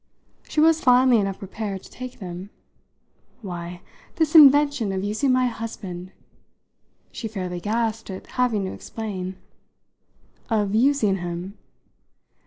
She was finely enough prepared to take them. "Why, this invention of using my husband !" She fairly gasped at having to explain. "Of 'using' him?"